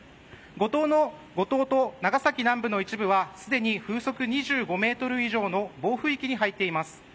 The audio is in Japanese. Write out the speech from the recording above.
五島と長崎南部の一部は風速５２メートル以上の暴風域に入っています。